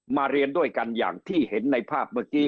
เรียนด้วยกันอย่างที่เห็นในภาพเมื่อกี้